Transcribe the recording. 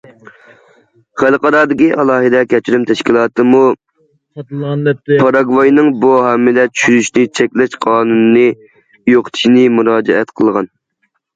خەلقئارادىكى ئالاھىدە كەچۈرۈم تەشكىلاتىمۇ پاراگۋاينىڭ بۇ ھامىلە چۈشۈرۈشنى چەكلەش قانۇنىنى يوقىتىشنى مۇراجىئەت قىلغان.